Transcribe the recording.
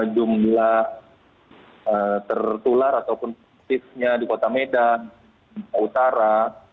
jumlah tertular ataupun kursifnya di kota medan kota utara